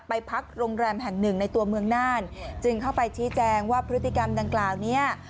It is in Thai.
ไปพักโรงแรมแห่งหนึ่งในตัวเมืองน่านจึงเข้าไปชี้แจงว่าพฤติกรรมดังกล่าวเนี่ย